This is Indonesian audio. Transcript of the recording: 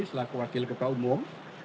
selaku wakil kepa umum